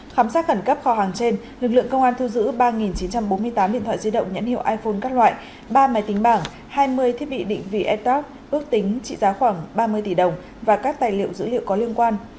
khám sát khẩn cấp kho hàng trên lực lượng công an thu giữ ba chín trăm bốn mươi tám điện thoại di động nhãn hiệu iphone các loại ba máy tính bảng hai mươi thiết bị định vị etap ước tính trị giá khoảng ba mươi tỷ đồng và các tài liệu dữ liệu có liên quan